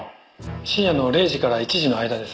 深夜の０時から１時の間です。